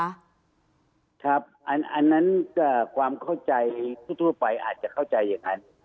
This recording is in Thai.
อันนั้นก็ความเข้าใจทั่วไปอาจจะเข้าใจอย่างนั้น